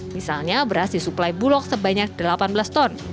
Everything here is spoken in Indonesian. misalnya beras disuplai bulog sebanyak delapan belas ton